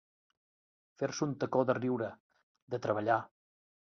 Fer-se un tacó de riure, de treballar.